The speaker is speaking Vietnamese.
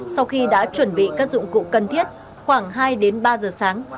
sau khi đã chuẩn bị các dụng cụ cần thiết khoảng hai đến ba giờ sáng